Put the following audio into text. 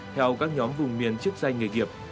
theo các nhóm vùng miền chức danh nghề nghiệp